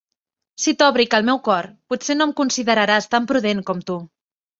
Si t'òbric l meu cor, potser no em consideraràs tant prudent com tu.